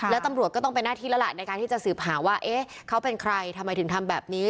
แล้วตำรวจก็ต้องเป็นหน้าที่แล้วล่ะในการที่จะสืบหาว่าเอ๊ะเขาเป็นใครทำไมถึงทำแบบนี้